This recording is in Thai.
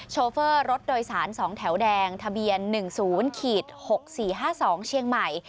โฟรถโดยสาร๒แถวแดงทะเบียน๑๐๖๔๕๒เชียงใหม่